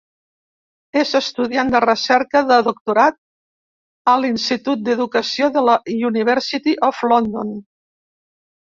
És estudiant de recerca de doctorat a l'Institut d'Educació de la University of London.